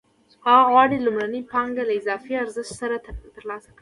هغه غواړي لومړنۍ پانګه له اضافي ارزښت سره ترلاسه کړي